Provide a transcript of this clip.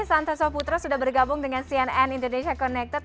santaswa putra sudah bergabung dengan cnn indonesia connected